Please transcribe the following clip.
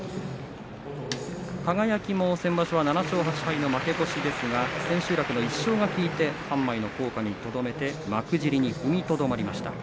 輝、先場所は７勝８敗の負け越しですが千秋楽の１勝が効いて半枚の降下にとどめて幕尻に踏みとどまりました。